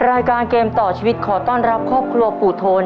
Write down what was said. รายการเกมต่อชีวิตขอต้อนรับครอบครัวปู่โทน